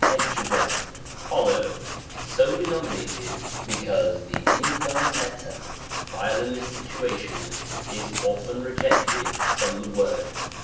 C 3^J hollow, so denominated, because the infirm letter, while in this situation, is often rejected from the word.